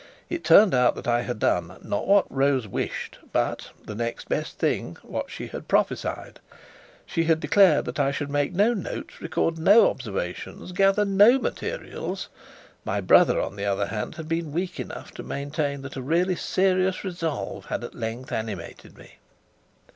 It turned out that I had done, not what Rose wished, but the next best thing what she prophesied. She had declared that I should make no notes, record no observations, gather no materials. My brother, on the other hand, had been weak enough to maintain that a serious resolve had at length animated me.